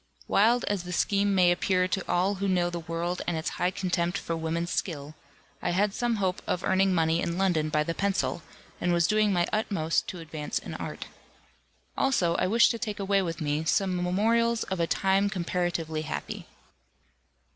Wild as the scheme may appear to all who know the world and its high contempt for woman's skill, I had some hope of earning money in London by the pencil, and was doing my utmost to advance in art. Also, I wished to take away with me some memorials of a time comparatively happy.